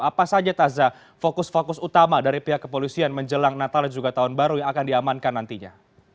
apa saja taza fokus fokus utama dari pihak kepolisian menjelang natal dan juga tahun baru yang akan diamankan nantinya